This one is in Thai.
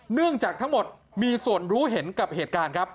เนื่องจากทั้งหมดมีส่วนรู้เห็นกับเหตุการณ์ครับ